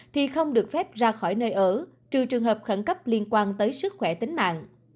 thì không được phép ra khỏi nơi ở trừ trường hợp khẩn cấp liên quan tới sức khỏe tính mạng